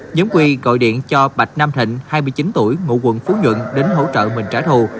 nhóm quy gọi điện cho bạch nam thịnh hai mươi chín tuổi ngụ quận phú nhuận đến hỗ trợ mình trả thù